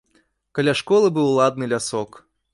Каля школы быў ладны лясок.